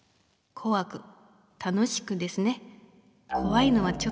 こわく楽しくですね。